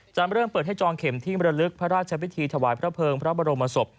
จามเรื่องเปิดให้จองเข็มที่เมืองลึกพระราชวิธีถวายพระเพิงพระบรมศพ